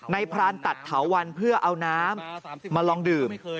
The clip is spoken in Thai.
พรานตัดเถาวันเพื่อเอาน้ำมาลองดื่ม